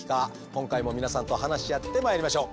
今回も皆さんと話し合ってまいりましょう。